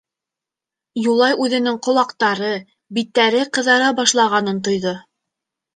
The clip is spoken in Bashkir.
Юлай үҙенең ҡолаҡтары, биттәре ҡыҙара башлағанын тойҙо.